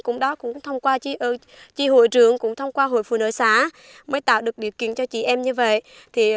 cũng đó cũng thông qua tri hội trưởng cũng thông qua hội phụ nữ xã mới tạo được điều kiện cho chị em như vậy